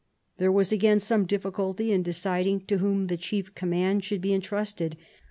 There was again some difficulty in deciding to whom the chief command should be entrusted.